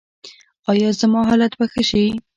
ایا زما حالت به ښه شي؟